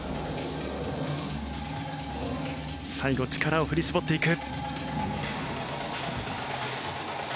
最後力を振り絞っていく。